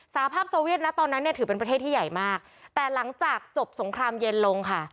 สาภาพโซเวียตนะตอนนั้นเนี่ยถือเป็นประเทศที่ใหญ่มากแต่หลังจากจบสงครามเย็นลงค่ะ